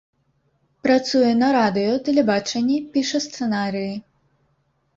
Працуе на радыё, тэлебачанні, піша сцэнарыі.